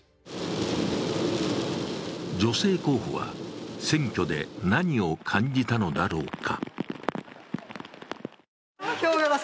女性候補は選挙で何を感じたのだろうか。